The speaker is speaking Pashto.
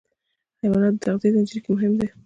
حیوانات د تغذیې زنجیر کې مهم دي.